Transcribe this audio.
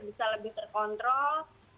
bisa lebih terkontrol